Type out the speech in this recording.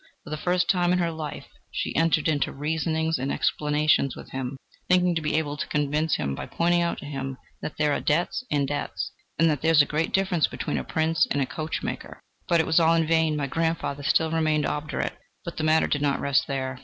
For the first time in her life, she entered into reasonings and explanations with him, thinking to be able to convince him by pointing out to him that there are debts and debts, and that there is a great difference between a Prince and a coachmaker. But it was all in vain, my grandfather still remained obdurate. But the matter did not rest there.